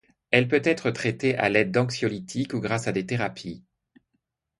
Elle peut être traitée à l'aide d'anxiolytiques ou grâce à des thérapies.